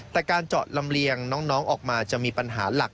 แต่การเจาะลำเลียงน้องออกมาจะมีปัญหาหลัก